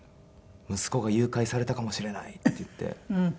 「息子が誘拐されたかもしれない」って言って。